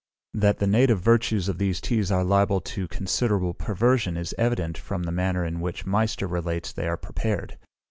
That the native virtues of these teas are liable to considerable perversion is evident from the manner in which Meister relates they are prepared.